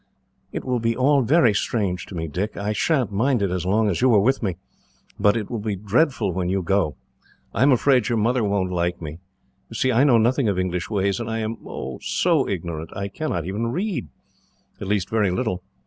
"It will be all very strange to me, Dick. I sha'n't mind it, as long as you are with me, but it will be dreadful when you go. I am afraid your mother won't like me. You see, I know nothing of English ways, and I am oh! so ignorant. I cannot even read at least, very little.